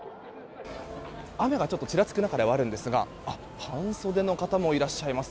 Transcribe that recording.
雨がちらつく中ではあるんですが半袖の方もいらっしゃいます。